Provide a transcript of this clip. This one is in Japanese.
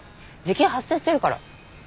時給発生してるから。